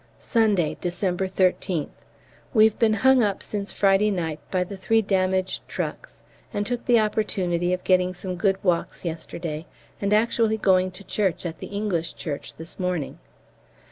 Sunday, December 13th. We've been hung up since Friday night by the three damaged trucks, and took the opportunity of getting some good walks yesterday, and actually going to church at the English church this morning.